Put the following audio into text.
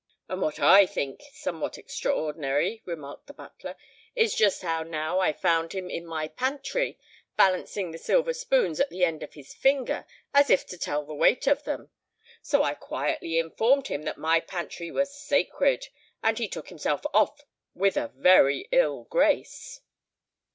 "And what I think somewhat extraordinary," remarked the butler, "is that just now I found him in my pantry, balancing the silver spoons at the end of his finger, as if to tell the weight of them. So I quietly informed him that my pantry was sacred; and he took himself off with a very ill grace."